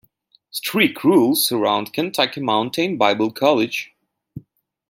Strict rules surround Kentucky Mountain Bible College.